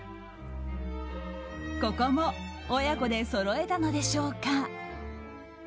ここも親子でそろえたのでしょうか。